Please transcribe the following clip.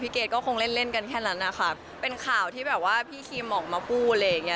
ก็คงเล่นกันแค่นั้นค่ะเป็นข่าวที่แบบว่าพี่ครีมออกมาปูอะไรอย่างเงี้ย